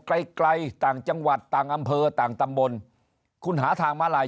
ไกลไกลต่างจังหวัดต่างอำเภอต่างตำบลคุณหาทางมาลาย